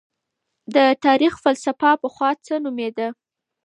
د تاريخ فلسفه پخوا څه نومېده؟